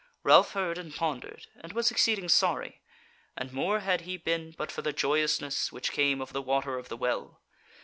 Ralph heard and pondered, and was exceeding sorry, and more had he been but for the joyousness which came of the Water of the Well.